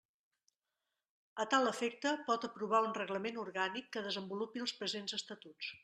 A tal efecte, pot aprovar un Reglament Orgànic que desenvolupi els presents Estatuts.